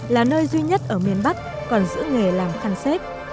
là nơi duy nhất ở miền bắc còn giữ nghề làm khăn xếp